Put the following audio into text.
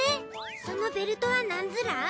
そのベルトはなんズラ？